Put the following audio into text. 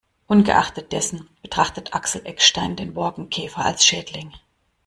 Ungeachtet dessen betrachtet Axel Eckstein den Borkenkäfer als Schädling.